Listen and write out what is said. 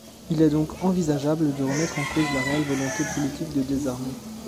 Il est donc envisageable de remettre en cause la réelle volonté politique de désarmer.